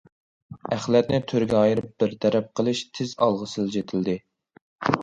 ئەخلەتنى تۈرگە ئايرىپ بىر تەرەپ قىلىش تېز ئالغا سىلجىتىلدى.